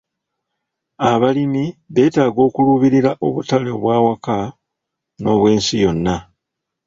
Abalimi beetaaga okuluubirira abutale obw'awaka n'obwensi yonna.